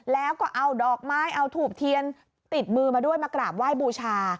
แล้วก็เอาดอกไม้เอาถูบเทียนติดมือมาด้วยมากราบไหว้บูชา